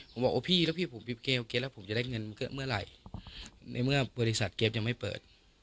ผมบอกโอ้พี่แล้วพี่ผมปิดเกมแล้วผมจะได้เงินเมื่อไหร่ในเมื่อบริษัทเกมยังไม่เปิด